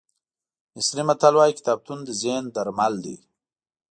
مصري متل وایي کتابتون د ذهن درمل دی.